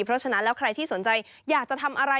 เพราะฉะนั้นแล้วใครที่สนใจอยากจะทำอะไร